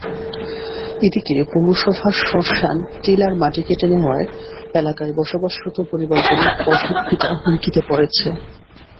এদিকে পৌরসভার শ্মশান টিলার মাটি কেটে নেওয়ায় এলাকায় বসবাসরত পরিবারগুলোর বসতভিটা হুমকিতে পড়েছে।